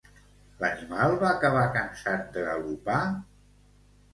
L'animal va acabar cansat de galopar?